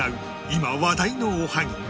今話題のおはぎ